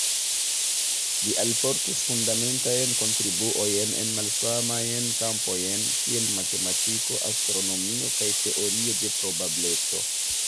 Li alportis fundamentajn kontribuojn en malsamajn kampojn, kiel matematiko, astronomio kaj teorio de probableco.